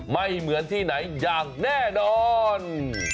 ไม่เหมือนที่ไหนอย่างแน่นอน